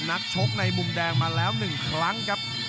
นักชกในมุมแดงมาแล้ว๑ครั้งครับ